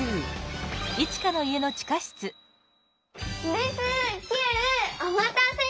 レスキューおまたせ！